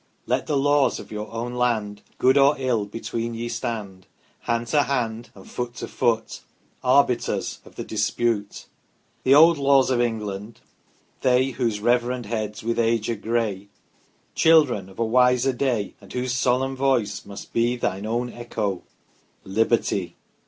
Let the laws of your own land, Good or ill, between ye stand Hand to hand, and foot to foot, Arbiters of the dispute, The old laws of England they Whose reverend heads with age are gray, Children of a wiser day ; And whose solemn voice must be Thine own echo Liberty